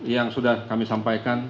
yang sudah kami sampaikan